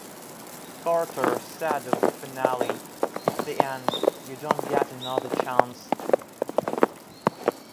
Carter said of the finale, It's the end-you don't get another chance.